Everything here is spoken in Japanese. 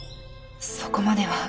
そこまでは。